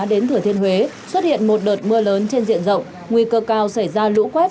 đến thừa thiên huế xuất hiện một đợt mưa lớn trên diện rộng nguy cơ cao xảy ra lũ quét